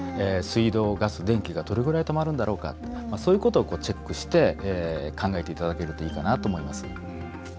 水道、ガス、電気がどれぐらい止まるんだろうかってそういうことをチェックして考えていただけるといいかなと思います。